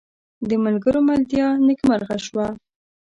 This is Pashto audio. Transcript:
د ملګرو ملتیا نیکمرغه شوه.